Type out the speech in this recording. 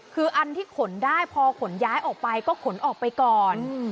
คืออันที่ขนได้พอขนย้ายออกไปก็ขนออกไปก่อน